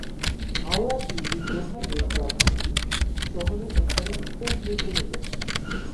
হাওড়া-দিল্লী প্রধান রেলপথটি, শহরের একেবারে ভিতর দিয়ে চলে গেছে।